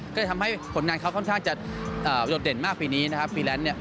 ก็เลยทำให้ผลงานเขาค่อนข้างจะโดดเด่นมากปีนี้นะครับฟรีแลนซ์เนี่ย